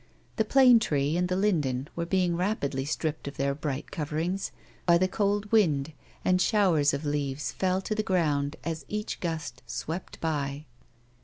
The plane tree and the linden were being rapidly stripped of their bright coverings, by the cold wind and showers of leaves fell to the ground as each gust swept by.